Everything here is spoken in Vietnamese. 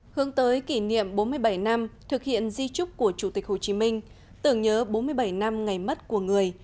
hướng tới kỷ niệm bốn mươi bảy năm thực hiện di trúc của chủ tịch hồ chí minh tưởng nhớ bốn mươi bảy năm ngày mất của người